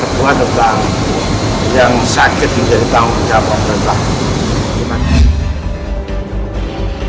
tiga itu memberikan jaminan kepada mereka